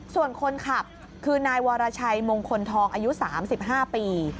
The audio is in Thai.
ส่วนคนขับคือนายวรชัยมงคลทองอายุ๓๕ปี